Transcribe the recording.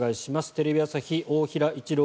テレビ朝日大平一郎